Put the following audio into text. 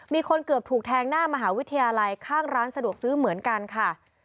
มีคนเกือบถูกแทงหน้ามหาวิทยาลัยข้างร้านสะดวกซื้อเหมือนกันค่ะ